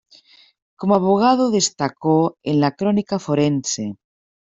Como abogado, destacó en la crónica forense.